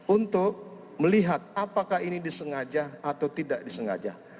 untuk melihat apakah ini disengaja atau tidak disengaja